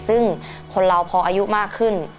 ซึ่งคนเราพออายุมากขึ้น